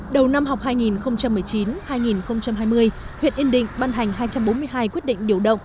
đầu năm học hai nghìn một mươi chín hai nghìn hai mươi huyện yên định ban hành hai trăm bốn mươi hai quyết định điều động